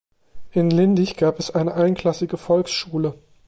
In Lindig gab es eine einklassige Volksschule.